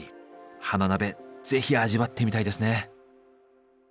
花鍋是非味わってみたいですね。